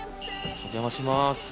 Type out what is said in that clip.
お邪魔します。